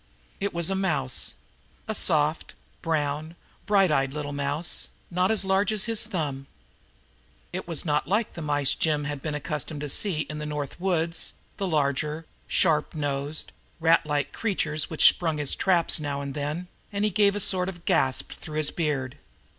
It was a mouse a soft, brown, bright eyed little mouse, not as large as his thumb. It was not like the mice Jim had been accustomed to see in the North woods, the larger, sharp nosed, rat like creatures which sprung his traps now and then, and he gave a sort of gasp through his beard.